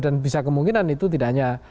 bisa kemungkinan itu tidak hanya